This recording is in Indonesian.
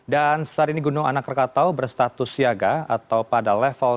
dan saat ini gunung anang krakatau berstatus siaga atau pada level tiga